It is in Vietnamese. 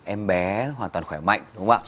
em bé hoàn toàn khỏe mạnh